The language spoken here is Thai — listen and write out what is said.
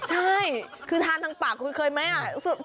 ใช่คือทานทั้งปากเคยมายังไหมอ่ะ